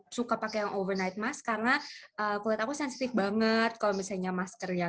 suka pakai yang overnight mask karena kulit aku sensitif banget kalau misalnya masker yang